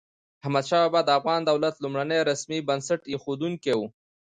احمد شاه بابا د افغان دولت لومړنی رسمي بنسټ اېښودونکی و.